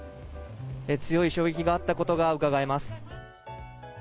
強い衝撃があったことがうかがえます。